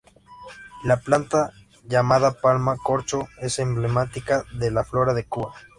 La planta, llamada palma corcho, es emblemática de la flora de Cuba.